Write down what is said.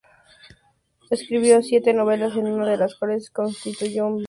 Escribió siete novelas, una de las cuales constituyó un bestseller nacional en Estados Unidos.